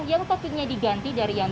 yang topiknya diganti dari yang